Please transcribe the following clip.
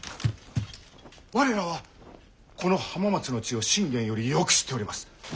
我らはこの浜松の地を信玄よりよく知っております。